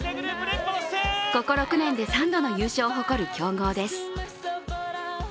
ここ６年で３度の優勝を誇る強豪です。